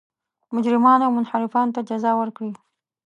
مجرمانو او منحرفانو ته جزا ورکړي.